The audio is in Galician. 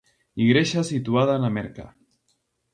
Igrexa situada na Merca.